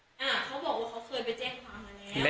เขาบอกว่าเขาเคยไปแจ้งความมาแล้ว